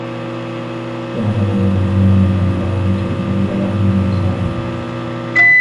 يوم لا يغني مولى عن مولى شيئا ولا هم ينصرون